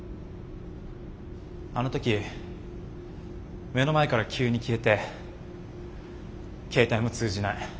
あの時目の前から急に消えて携帯も通じない。